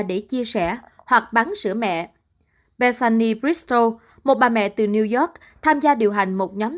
để chia sẻ hoặc bán sữa mẹ besanny bristo một bà mẹ từ new york tham gia điều hành một nhóm